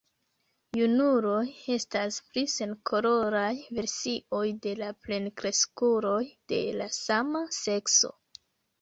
Junuloj estas pli senkoloraj versioj de la plenkreskuloj de la sama sekso.